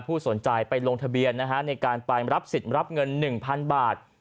ผู้สนใจไปลงทะเบียนนะฮะในการไปรับสิทธิ์รับเงินหนึ่งพันบาท